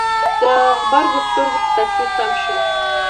د غبرګو سترګو په تصوير تم شو.